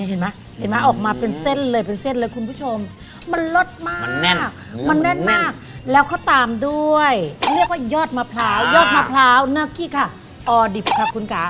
หยอดมะพร้าวเนื้อขี้ค่ะ